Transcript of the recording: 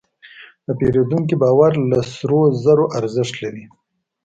د پیرودونکي باور له سرو زرو ارزښت لري.